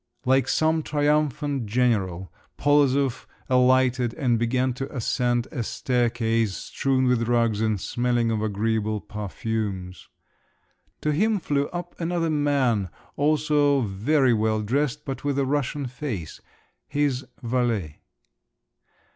Like some triumphant general Polozov alighted and began to ascend a staircase strewn with rugs and smelling of agreeable perfumes. To him flew up another man, also very well dressed but with a Russian face—his valet.